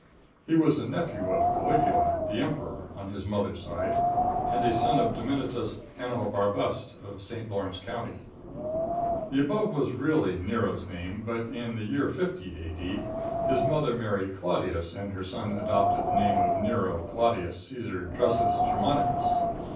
He was a nephew of Culigula, the Emperor, on his mother's side, and a son of Dominitius Ahenobarbust, of St. Lawrence county. The above was really Nero's name, but in the year 50, A.D., his mother married Claudius and her son adopted the name of Nero Claudius Caesar Drusus Germanicus.